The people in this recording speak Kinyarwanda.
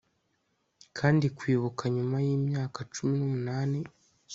Kandi kwibuka nyuma yimyaka cumi numunani